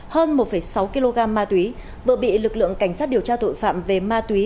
hơn một sáu kg ma túy vừa bị lực lượng cảnh sát điều tra tội phạm về ma túy